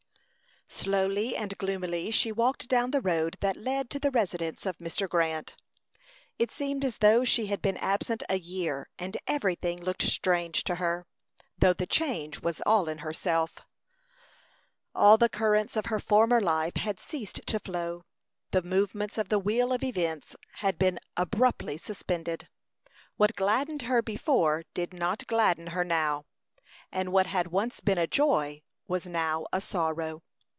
Slowly and gloomily she walked down the road that led to the residence of Mr. Grant. It seemed as though she had been absent a year, and everything looked strange to her, though the change was all in herself. All the currents of her former life had ceased to flow; the movements of the wheel of events had been abruptly suspended. What gladdened her before did not gladden her now, and what had once been a joy was now a sorrow.